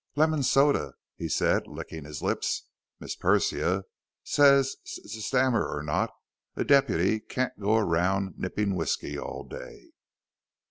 "Lemon soda," he said, licking his lips. "Miss Persia says st stammer or not, a deputy can't go around nipping whisky all day."